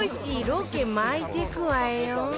ロケ巻いてくわよ